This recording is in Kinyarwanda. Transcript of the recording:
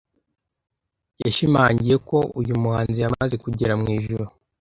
yashimangiye ko uyu muhanzi yamaze kugera mu ijuru.